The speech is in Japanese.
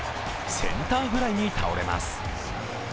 センターフライに倒れます。